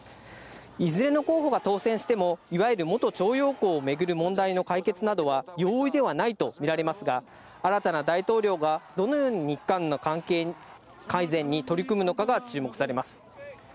いずれの候補が当選しても、いわゆる元徴用工を巡る問題の解決などは、容易ではないと見られますが、新たな大統領がどのように日韓の関係改善に取り組むのかが注目されます。